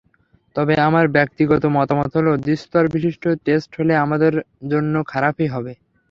তবে আমার ব্যক্তিগত মতামত হলো দ্বিস্তরবিশিষ্ট টেস্ট হলে আমাদের জন্য খারাপই হবে।